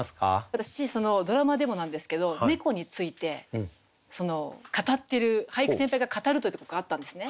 私ドラマでもなんですけど猫について語ってる俳句先輩が語るというところがあったんですね。